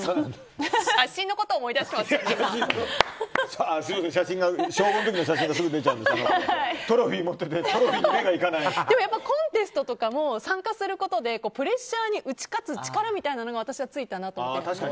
写真のことをすみませんコンテストとかも参加することでプレッシャーに打ち勝つ力みたいなものが私はついたなと思って。